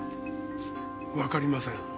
わかりません。